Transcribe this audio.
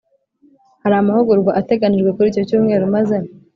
hari amahugurwa ateganijwe kuri icyo cyumweru maze